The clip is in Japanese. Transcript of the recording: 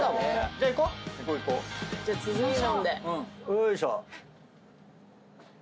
よいしょ。